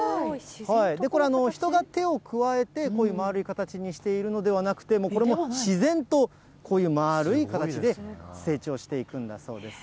これ、人が手を加えて、こういう丸い形にしているのではなくて、もうこれも自然と、こういう丸い形で成長していくんだそうです。